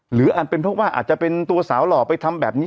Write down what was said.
หรืออาจเป็นพวกว่าอาจจะเป็นตัวสาวหลอกไปทำแบบนี้